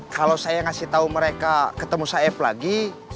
kalau saya ngasih tau mereka ketemu saeb lagi